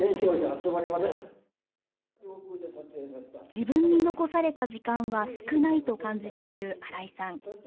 自分に残された時間は少ないと感じている新井さん。